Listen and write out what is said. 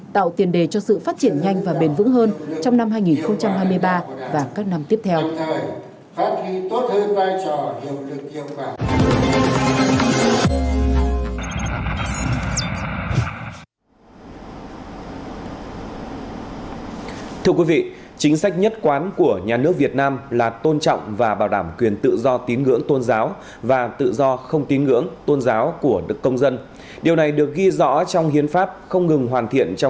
tạo tiền đề cho sự phát triển nhanh và bền vững hơn trong năm hai nghìn hai mươi ba và các năm tiếp theo